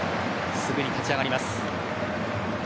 すぐに立ち上がります。